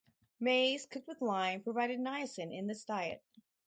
Maize cooked with lime provided niacin in this diet.